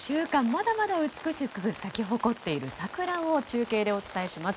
まだまだ美しく咲き誇っている桜を中継でお伝えします。